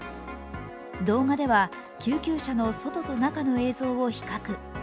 動画では、救急車の外と中の映像を比較。